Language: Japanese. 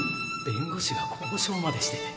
弁護士が交渉までしてて